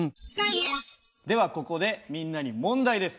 ではここでみんなに問題です。